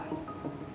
dan apalagi ini kan